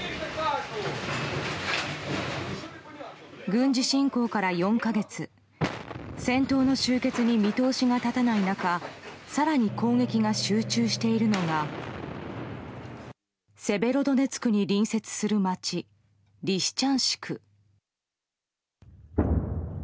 軍事侵攻から４か月戦闘の終結に見通しが立たない中更に攻撃が集中しているのがセベロドネツクに隣接する街リシチャンシク。